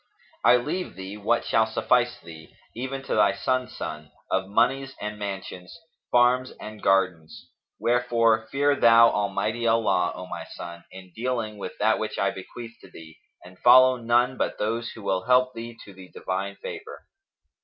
I leave thee what shall suffice thee, even to thy son's son, of monies and mansions, farms and gardens; wherefore, fear thou Almighty Allah, O my son, in dealing with that which I bequeath to thee and follow none but those who will help thee to the Divine favour."